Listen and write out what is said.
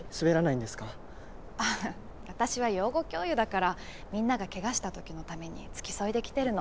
私は養護教諭だからみんながケガしたときのために付き添いで来てるの。